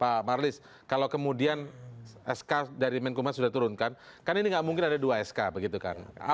pak marlis kalau kemudian sk dari menkumham sudah turunkan kan ini nggak mungkin ada dua sk begitu kan